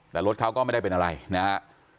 แต่รถเขาก็ไม่ได้เป็นอะไรนะฮะ